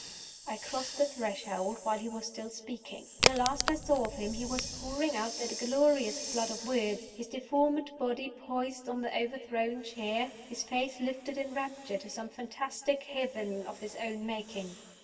I crossed the threshold while he was still speaking. The last I saw of him he was pouring out that glorious flood of words his deformed body, poised on the overthrown chair, his face lifted in rapture to some fantastic heaven of his own making.